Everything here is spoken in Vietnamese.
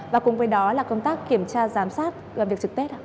và cùng với đó là công tác kiểm tra giám sát và việc trực tết hả